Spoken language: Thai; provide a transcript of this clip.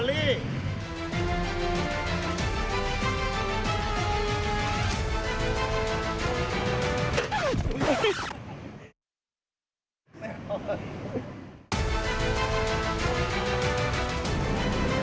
มันมีเหตุกฎหมาย